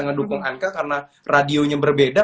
ngedukung anka karena radionya berbeda